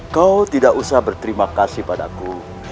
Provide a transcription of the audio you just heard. kau tidak usah berterima kasih padaku